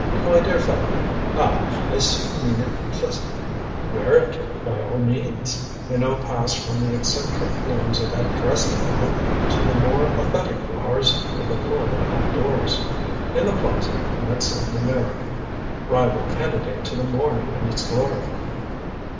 "My dear fellow ah, I see you mean it pleasantly. Wear it, by all means." Minot passed from the eccentric blooms of that dressing gown to the more authentic flowers of the Florida outdoors. In the plaza he met Cynthia Meyrick, rival candidate to the morning in its glory.